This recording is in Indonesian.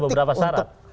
ada beberapa syarat